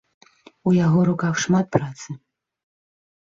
У яго руках шмат працы.